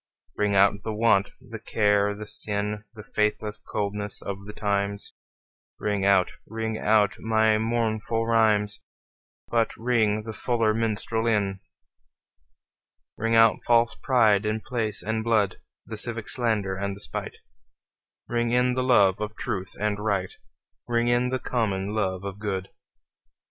Ring out the want, the care the sin, The faithless coldness of the times; Ring out, ring out my mournful rhymes, But ring the fuller minstrel in. Ring out false pride in place and blood, The civic slander and the spite; Ring in the love of truth and right, Ring in the common love of good.